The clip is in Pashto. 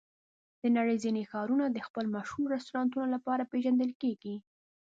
د نړۍ ځینې ښارونه د خپلو مشهور رستورانتونو لپاره پېژندل کېږي.